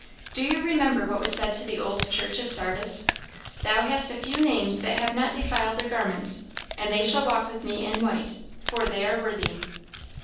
Do you remember what was said to the old Church of Sardis? 'Thou hast a few names that have not defiled their garments; and they shall walk with me in white, for they are worthy.'